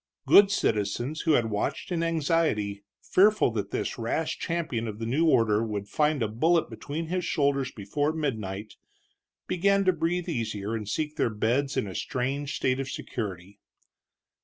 Good citizens who had watched in anxiety, fearful that this rash champion of the new order would find a bullet between his shoulders before midnight, began to breathe easier and seek their beds in a strange state of security.